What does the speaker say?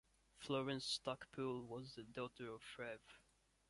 Florence Stacpoole was the daughter of Rev.